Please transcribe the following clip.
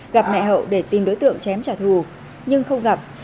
gặp mẹ hậu để tìm đối tượng chém trả thù nhưng không gặp